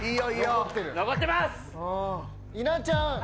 稲ちゃん